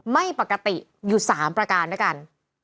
ไม่ปกติอยู่๓ประการด้วยกัน